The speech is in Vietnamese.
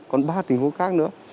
còn ba tình huống khác nữa